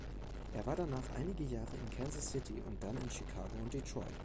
Er war danach einige Jahre in Kansas City und dann in Chicago und Detroit.